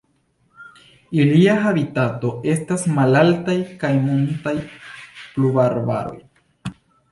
Ilia habitato estas malaltaj kaj montaj pluvarbaroj.